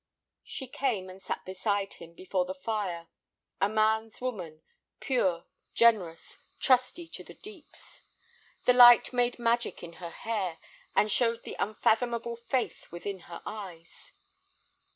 She came and sat beside him before the fire, a man's woman, pure, generous, trusty to the deeps. The light made magic in her hair, and showed the unfathomable faith within her eyes.